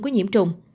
của nhiễm trùng